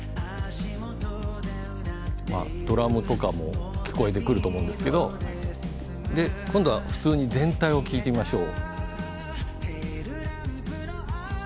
ドラムとかも聞こえてくると思うんですけれど今度は普通に全体を聴いてみましょう。